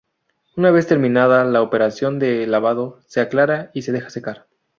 Una vez terminada la operación de lavado, se aclara y se deja secar.